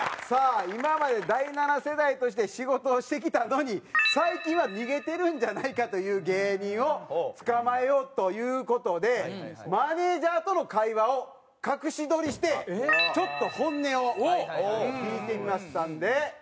さあ今まで第七世代として仕事をしてきたのに最近は逃げてるんじゃないかという芸人を捕まえようという事でマネージャーとの会話を隠し撮りしてちょっと本音を聞いてみましたんで。